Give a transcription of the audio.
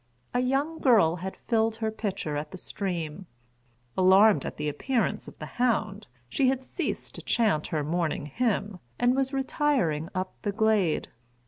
A young girl had filled her pitcher at the stream. Alarmed at the appear[Pg 32]ance of the hound, she had ceased to chant her morning hymn, and was retiring up the glade.